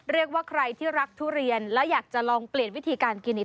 เรียกว่าใครที่รักทุเรียนและอยากจะลองเปลี่ยนวิธีการกินอีก